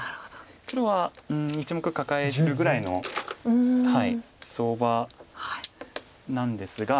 黒は１目カカえるぐらいの相場なんですが。